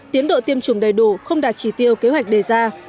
tiến độ tiêm chủng đầy đủ không đạt chỉ tiêu kế hoạch đề ra